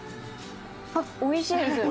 あっ美味しいです。